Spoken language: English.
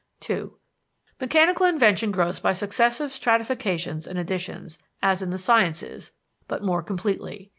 (II) Mechanical invention grows by successive stratifications and additions, as in the sciences, but more completely.